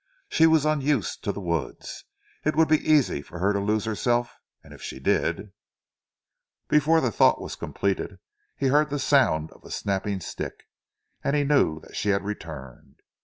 She was unused to the woods, it would be easy for her to lose herself and if she did Before the thought was completed he heard the sound of a snapping stick, and knew that she had returned.